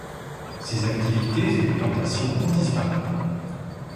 Ces activités et les plantations ont disparu.